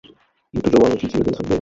কিন্তু, যৌবন কি চিরদিন থাকিবে?